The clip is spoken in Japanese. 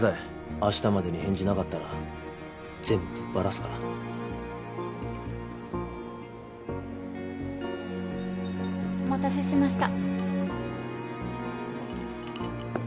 明日までに返事なかったら全部バラすから・お待たせしました。